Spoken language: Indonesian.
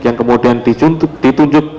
yang kemudian ditunjuk